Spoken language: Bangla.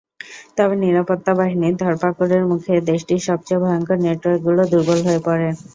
তবে নিরাপত্তা বাহিনীর ধরপাকড়ের মুখে দেশটির সবচেয়ে ভয়ংকর নেটওয়ার্কগুলো দুর্বল হয়ে পড়ে।